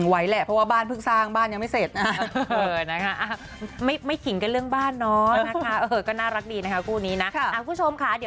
ไหวแหละเพราะว่าบ้านเพิ่งสร้างบ้านยังไม่เสร็จนะคะไม่ขิงกันเรื่องบ้านเนาะก็น่ารักดีนะครับคู่นี้นะค่ะคุณชมค่ะ